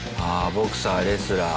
ボクサーレスラー。